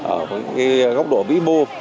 ở góc độ vĩ mô